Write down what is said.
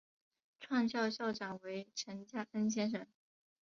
创校校长为陈加恩先生。